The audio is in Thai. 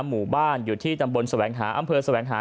หมู่บ้านอยู่ที่ตำบลแสวงหาอำเภอแสวงหา